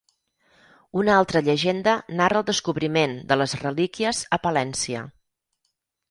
Una altra llegenda narra el descobriment de les relíquies a Palència.